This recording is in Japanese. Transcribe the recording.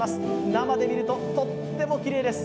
生で見ると、とってもきれいです。